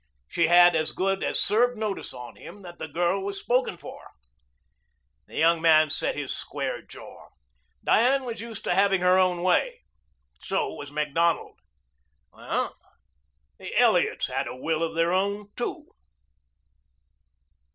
She had as good as served notice on him that the girl was spoken for. The young man set his square jaw. Diane was used to having her own way. So was Macdonald. Well, the Elliots had a will of their own too.